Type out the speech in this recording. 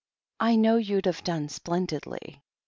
I know you'd have done splen didly."